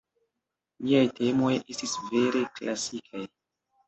Liaj temoj estis vere klasikaj.